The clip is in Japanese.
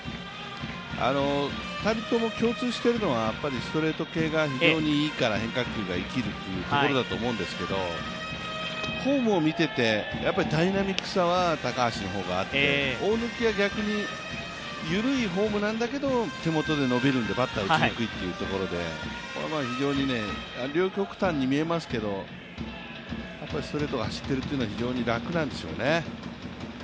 ２人とも共通しているのはストレート系が非常にいいから変化球が生きるということだと思うんですけれども、フォームを見ていてダイナミックさは高橋の方があって、大貫は逆に緩いフォームなんだけど手元で伸びるのでバッターは打ちにくいというところで、非常に両極端に見えますけどあとはストレートが走っているというのは非常に楽なんでしょうね。